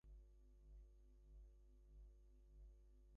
Maintenance works ceased in order to save costs.